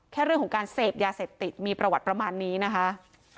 แค่เรื่องของการเสพยาเสพติดมีประวัติประมาณนี้นะคะ